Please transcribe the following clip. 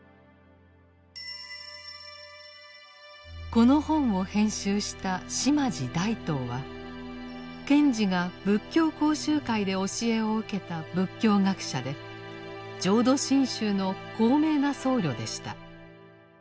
この本を編集した島地大等は賢治が仏教講習会で教えを受けた仏教学者で浄土真宗の高名な僧侶でした。